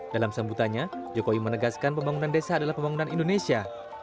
dalam sambutannya jokowi menegaskan pembangunan desa adalah pembangunan indonesia